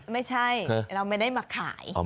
ไม่ใช่เราไม่ได้มาขาย